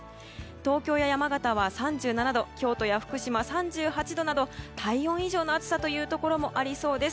東京や山形は３７度京都や福島は３８度など体温以上の暑さというところもありそうです。